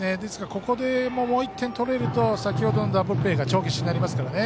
ここで、もう１点取れると先程のダブルプレーが帳消しになりますからね。